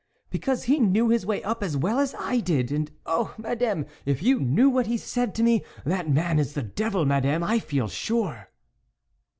" Because he knew his way up as well as I did ! And oh ! Madame ! if you knew what he said to me ! That man is the devil, Madame, I feel sure